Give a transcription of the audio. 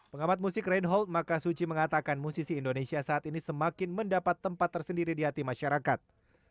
pengamat musik rein hold makasuci mengatakan musisi indonesia saat ini semakin mendapat tempat tersendiri di hati masyarakat